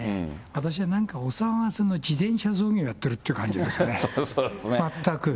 私はなんかお騒がせの自転車操業をやってるって感じがしますね、全く。